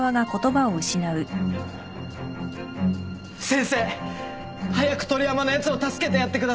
先生早く鳥山のやつを助けてやってください。